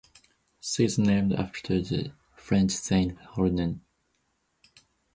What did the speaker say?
She is named after the French Saint Honorine.